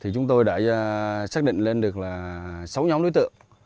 chúng tôi đã xác định lên được sáu nhóm đối tượng